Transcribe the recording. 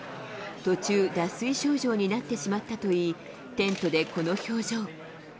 途中、脱水症状になってしまったといい、テントでこの表情。